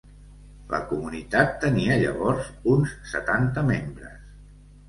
La comunitat tenia llavors uns setanta membres.